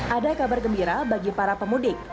ada kabar gembira bagi para pemudik